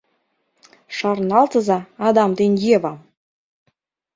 Шарналтыза Адам ден Евам.